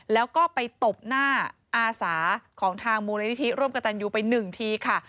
แล้วก็ไปตบหน้าอาสาของทางมูลนิธิร่วมกับตันยูไปหนึ่งทีค่ะ